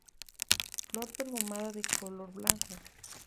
Flor perfumada de color blanco.